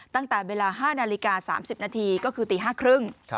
ตั้งแต่เวลา๕นาฬิกา๓๐นาทีก็คือตี๕๓๐